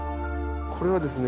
これはですね。